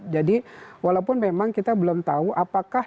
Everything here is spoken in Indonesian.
jadi walaupun memang kita belum tahu apakah